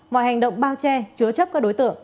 mọi hành động bao che chứa chấp các đối tượng